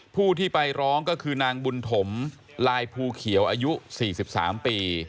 ผู้ที่ไปร้องก็คือนางบุญถมลายภูเขียวอายุ๔๓ปี